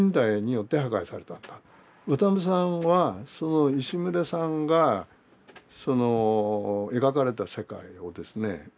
渡辺さんはその石牟礼さんが描かれた世界をですね